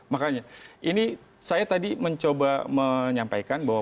makanya ini saya tadi mencoba menyampaikan bahwa